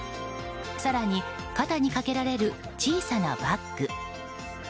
更に、肩にかけられる小さなバッグ。